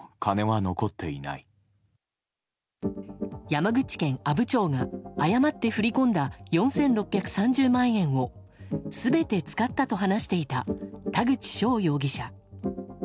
山口県阿武町が誤って振り込んだ４６３０万円を全て使ったと話していた田口翔容疑者。